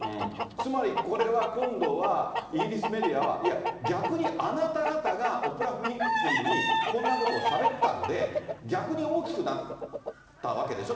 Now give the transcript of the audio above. つまりこれは、今度はイギリスメディアは、いや、逆にあなた方がオプラ・ウィンフリーにこんなことをしゃべったんで、逆に大きくなったわけでしょ？